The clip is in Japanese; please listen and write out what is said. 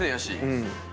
うん。